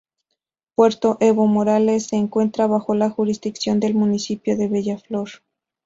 Puerto Evo Morales se encuentra bajo la jurisdicción del Municipio de Bella Flor.